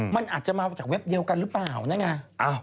มันอาจจะมาจากเว็บเดียวกันหรือเปล่านั่นไง